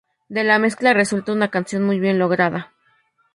De la mezcla resulta una canción muy bien lograda.